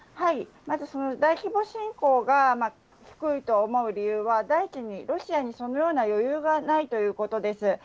まず大規模侵攻が低いと思う理由は、第一にロシアにそのような余裕がないということです。